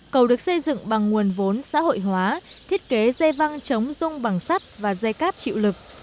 cầu được xây dựng bằng nguồn vốn xã hội hóa thiết kế dây văng trống rung bằng sắt và dây cáp chịu lực